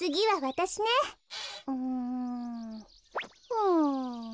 うん。